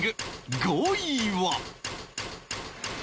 ５位は